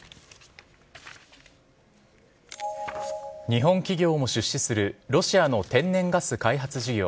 日本企業も出資するロシアの天然ガス開発事業